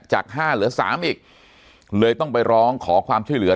จาก๕เหลือ๓อีกเลยต้องไปร้องขอความช่วยเหลือ